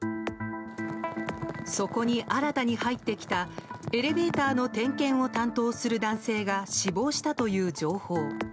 そこに新たに入ってきたエレベーターの点検を担当する男性が死亡したという情報。